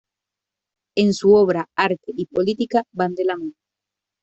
En su obra, arte y política van de la mano.